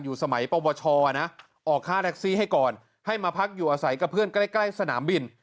สมัยปวชนะออกค่าแท็กซี่ให้ก่อนให้มาพักอยู่อาศัยกับเพื่อนใกล้ใกล้สนามบิน